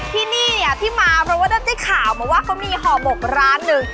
ที่นี่เนี่ยที่มาเพราะว่าได้ข่าวมาว่าเขามีห่อหมกร้านหนึ่ง